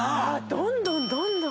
どんどんどんどん。